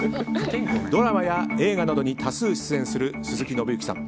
ドラマや映画などに多数出演する鈴木伸之さん。